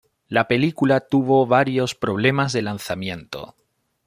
La película tuvo varios problemas de lanzamiento.